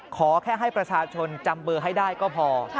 ขอแค่ให้ประชาชนจำเบอร์ให้ได้ก็พอ